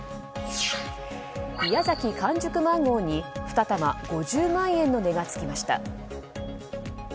みやざき完熟マンゴーに２玉５０万円の値がつきました。